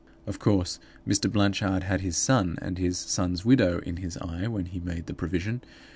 Of course, Mr. Blanchard had his son and his son's widow in his eye when he made the provision.